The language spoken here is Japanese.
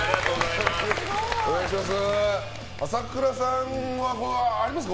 朝倉さんはありますか？